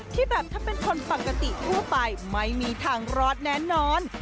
ที่แบบถ้าเป็นคนปกติทั่วไปไม่มีทางรอดแน่นอน